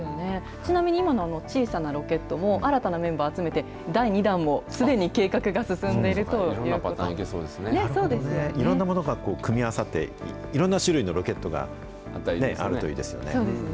ちなみに今の小さなロケットも、新たなメンバー集めて、第２弾もすでに計画が進んでいるというこいろんなパターンいけそうでいろんなものが組み合わさって、いろんな種類のロケットがあるといいですよね。